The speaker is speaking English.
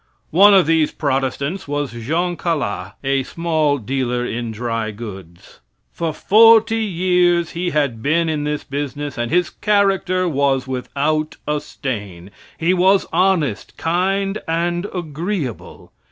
One of these Protestants was Jean Calas a small dealer in dry goods. For forty years he had been in this business, and his character was without a stain. He was honest, kind and agreeable.